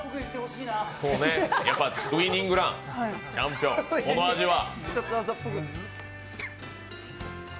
やっぱウィニングラン、チャンピオン、この味は？